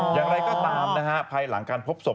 อย่างไรก็ตามนะฮะภายหลังการพบศพ